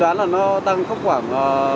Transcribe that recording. đoán là nó tăng khắp khoảng